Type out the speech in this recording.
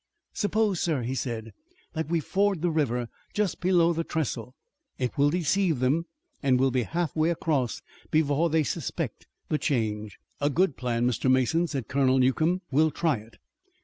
"Suppose, sir," he said, "that we ford the river just below the trestle. It will deceive them and we'll be half way across before they suspect the change." "A good plan, Mr. Mason," said Colonel Newcomb. "We'll try it."